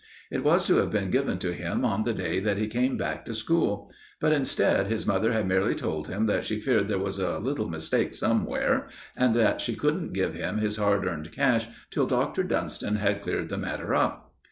It was to have been given to him on the day that he came back to school; but instead his mother had merely told him that she feared there was a little mistake somewhere, and that she couldn't give him his hard earned cash till Dr. Dunston had cleared the matter up.